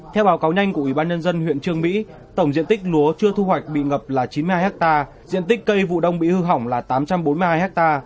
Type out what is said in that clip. theo báo cáo nhanh của ubnd huyện trương mỹ tổng diện tích lúa chưa thu hoạch bị ngập là chín mươi hai ha diện tích cây vụ đông bị hư hỏng là tám trăm bốn mươi hai ha